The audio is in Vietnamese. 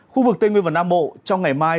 khu vực tây nguyên và nam bộ trong ngày mai